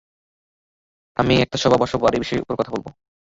আমি একটা সভা বসাবো, আর এই বিষয়ের উপর কথা বলবো।